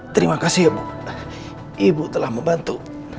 terima kasih ya bu ibu telah membantu